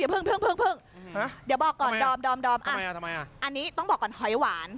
พึ่งเดี๋ยวบอกก่อนดอมอันนี้ต้องบอกก่อนหอยหวาน